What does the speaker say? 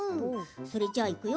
それじゃあ、いくよ！